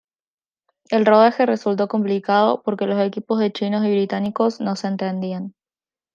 El rodaje resultó complicado porque los equipos de chinos y británicos no se entendían.